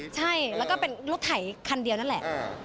ใช่แล้วก็เป็นรถไถคันเดียวนั่นแหละ